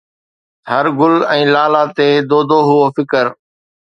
هر گل ۽ لالا تي دودو هئو فڪر